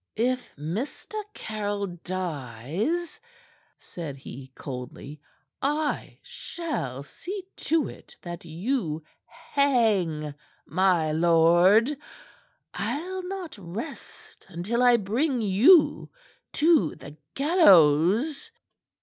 "If Mr. Caryll dies," said he coldly, "I shall see to it that you hang, my lord. I'll not rest until I bring you to the gallows."